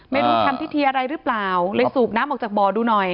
ไม่รู้ทำพิธีอะไรหรือเปล่าเลยสูบน้ำออกจากบ่อดูหน่อย